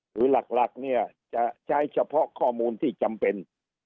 หรือหลักเนี่ยจะใช้เฉพาะข้อมูลที่จำเป็น